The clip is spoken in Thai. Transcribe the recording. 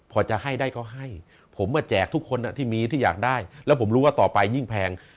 พอจะให้ได้ก็ให้ผมมาแจกทุกคนที่มีที่อยากได้แล้วผมรู้ว่าต่อไปยิ่งแพง